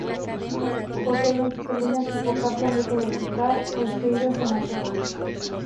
Posee veinte turbinas tipo Kaplan de eje vertical, construidas en acero.